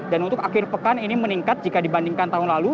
dan untuk akhir pekan ini meningkat jika dibandingkan tahun lalu